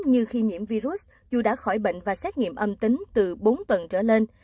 như khi nhiễm virus dù đã khỏi bệnh và xét nghiệm âm tính từ bốn tầng trở lên